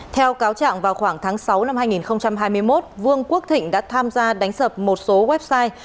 theo cáo trạng vào khoảng tháng sáu năm hai nghìn hai mươi một vương quốc thịnh đã tham gia đánh sập một số website